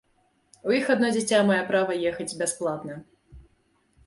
У іх адно дзіця мае права ехаць бясплатна.